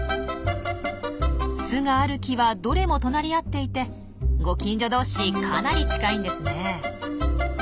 巣がある木はどれも隣り合っていてご近所同士かなり近いんですね。